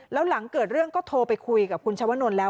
แล้วหลังเกิดเรื่องก็โทรไปคุยกับคุณชวนลแล้ว